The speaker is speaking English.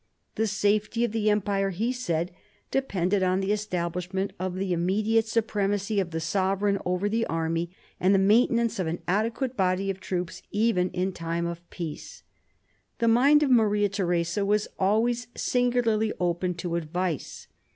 The safety of the Empire, he said, depended on the establishment of the immediate supremacy of the sovereign over the army, and the maintenance of an adequate body of troops even in time of peace. The mind of Maria Theresa was always singularly open to advice.